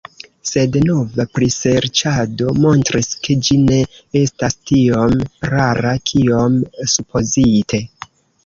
Sed nova priserĉado montris, ke ĝi ne estas tiom rara kiom supozite.